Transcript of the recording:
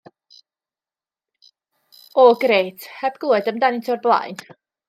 Oh, grêt, heb glywed amdanynt o'r blaen.